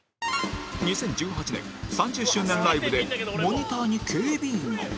２０１８年３０周年ライブでモニターに警備員が